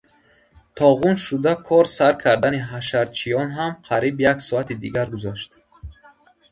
То ғун шуда кор сар кардани ҳашарчиён ҳам қариб як соати дигар гузашт.